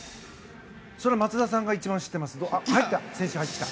それは松田さんが一番知っています。